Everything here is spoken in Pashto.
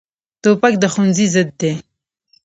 توپک د ښوونځي ضد دی.